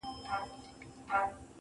زما پښتون زما ښايسته اولس ته.